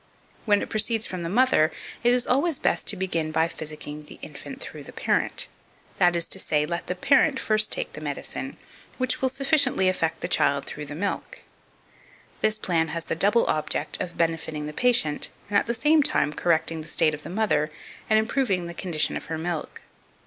When it proceeds from the mother, it is always best to begin by physicking the infant through the parent; that is to say, let the parent first take the medicine, which will sufficiently affect the child through the milk: this plan has the double object of benefiting the patient and, at the same time, correcting the state of the mother, and improving the condition of her milk.